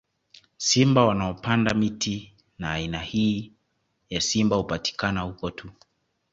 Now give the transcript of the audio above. Simba wanaopanda miti na aina hii ya simba hupatikana huko tu